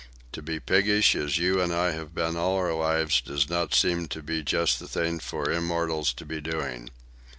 To be piggish as you and I have been all our lives does not seem to be just the thing for immortals to be doing.